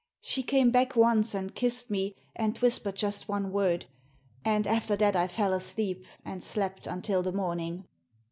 "She came back once and kissed me, and whis pered just one word. And after that I fell asleep, and slept until the morning."